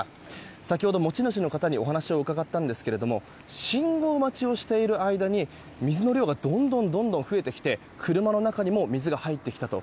先ほど持ち主の方にお話を伺ったんですけれども信号待ちをしている間に水の量がどんどん増えてきて車の中にも水が入ってきたと。